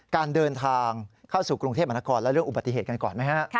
การเดินทางเข้าสู่กรุงเทพมหานครและเรื่องอุบัติเหตุกันก่อนไหมฮะ